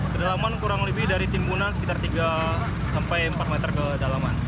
kedalaman kurang lebih dari timbunan sekitar tiga sampai empat meter kedalaman